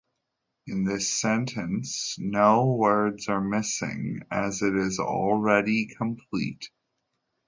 In this sentence, no words are missing, as it is already complete.